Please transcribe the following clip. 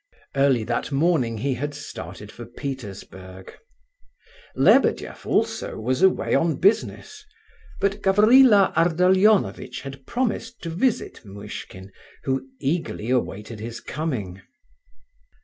Early that morning he had started for Petersburg. Lebedeff also was away on business. But Gavrila Ardalionovitch had promised to visit Muishkin, who eagerly awaited his coming.